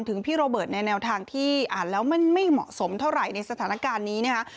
พี่โรเบิร์ตในแนวทางที่อ่านแล้วมันไม่เหมาะสมเท่าไหร่ในสถานการณ์นี้นะคะ